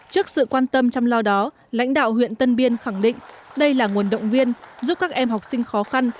trước sự quan tâm chăm lo đó lãnh đạo huyện tân biên khẳng định đây là nguồn động viên giúp các em học sinh khó khăn